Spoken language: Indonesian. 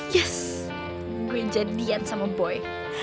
yes gue jadian sama boy